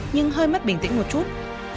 nhưng hơi mất bình tĩnh một chút